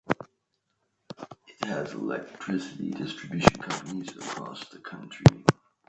It has Electricity Distribution Companies across the country.